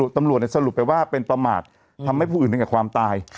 ตำรวจสรุปไปว่าเป็นประมาททำให้ผู้อื่นถึงกับความตาย